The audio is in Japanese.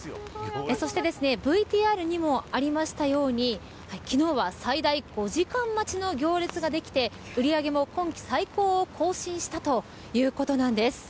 そしてＶＴＲにもありましたように昨日は、最大５時間待ちの行列ができて売上も今季最高を更新したということなんです。